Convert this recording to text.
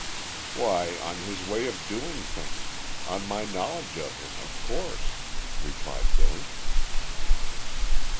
"Why, on his way of doing things, on my knowledge of him, of course;" replied Billy.